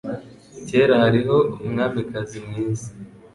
Kera, hariho umwamikazi mwiza.